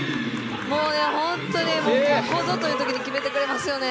本当にここぞというときに決めてくれますよね。